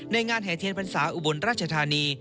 งานแห่เทียนพรรษาอุบลราชธานี